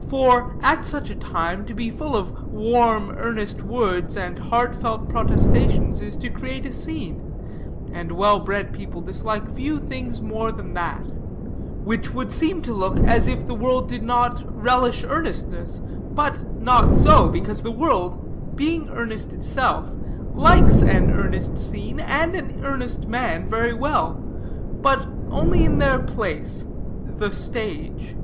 For, at such a time, to be full of warm, earnest words, and heart felt protestations, is to create a scene; and well bred people dislike few things more than that; which would seem to look as if the world did not relish earnestness; but, not so; because the world, being earnest itself, likes an earnest scene, and an earnest man, very well, but only in their place the stage.